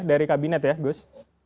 dari kabinet ya gus